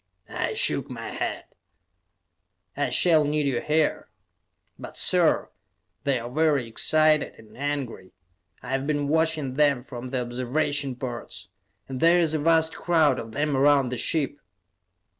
I shook my head. "I shall need you here." "But, sir, they are very excited and angry; I have been watching them from the observation ports. And there is a vast crowd of them around the ship."